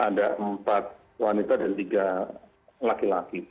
ada empat wanita dan tiga laki laki